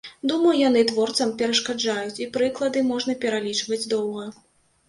Думаю, яны творцам перашкаджаюць, і прыклады можна пералічваць доўга.